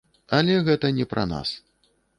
Але гэта не пра нас.